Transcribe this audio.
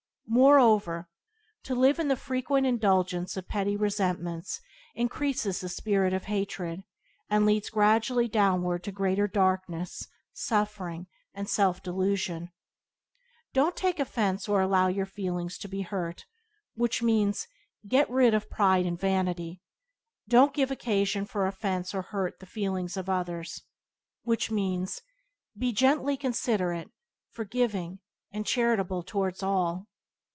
Moreover, to live in the frequent indulgence of petty resentments increase the spirit of hatred, and leads gradually downward to greater darkness, suffering, and self delusion. Don't take offence or allow your feelings to be hurt, which means — get rid of pride and vanity. Don't give occasion for offence or hurt the feelings of others, which means — be gently considerate, forgiving, and charitable towards all.